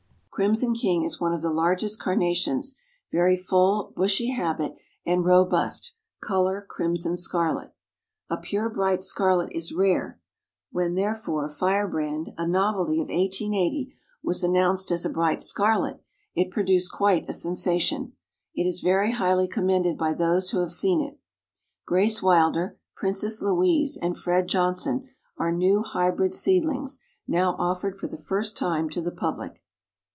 Crimson King is one of the largest Carnations, very full, bushy habit, and robust, color crimson scarlet. A pure bright scarlet is rare; when therefore, Firebrand, a novelty of 1880, was announced as a bright scarlet, it produced quite a sensation. It is very highly commended by those who have seen it. Grace Wilder, Princess Louise and Fred Johnson, are new hybrid seedlings now offered for the first time to the public.